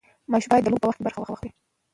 ماشوم باید د لوبو په وخت برخه واخلي.